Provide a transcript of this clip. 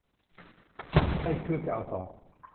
ได้คืบจะเอาศอก